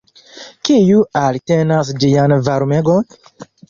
Kiu eltenas ĝian varmegon?